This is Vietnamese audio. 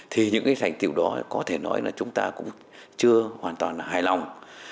thì những thành tiêu đó có thể nói là chúng ta cũng chưa hoàn toàn hài lòng